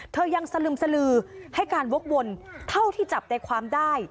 เธอยังสลึมสลือให้การวกวนเท่าที่จับใจความได้